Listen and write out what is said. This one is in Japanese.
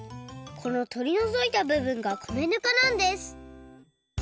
このとりのぞいたぶぶんが米ぬかなんです。